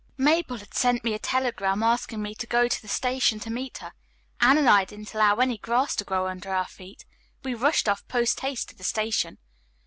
"Mabel had sent me a telegram asking me to go to the station to meet her. Anne and I didn't allow any grass to grow under our feet. We rushed off post haste to the station.